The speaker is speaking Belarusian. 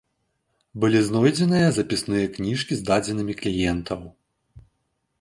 Былі знойдзеныя запісныя кніжкі з дадзенымі кліентаў.